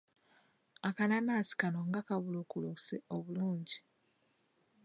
Akanaanansi kano nga kabuulukuse obulungi!